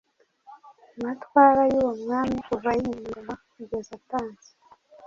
amatwara y’uwo mwami kuva yimye ingoma kugeza atanze,